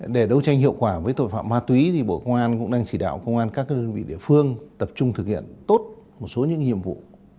để đấu tranh hiệu quả với tội phạm ma túy thì bộ công an cũng đang chỉ đạo công an các đơn vị địa phương tập trung thực hiện tốt một số những nhiệm vụ